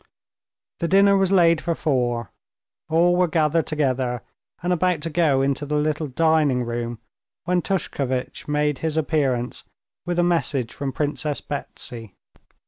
The dinner was laid for four. All were gathered together and about to go into the little dining room when Tushkevitch made his appearance with a message from Princess Betsy.